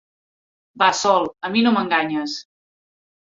Va Sol, a mi no m'enganyes.